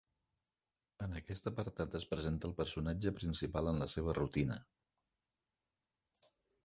En aquest apartat es presenta el personatge principal en la seva rutina.